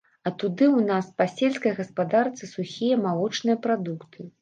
А туды ў нас па сельскай гаспадарцы сухія малочныя прадукты.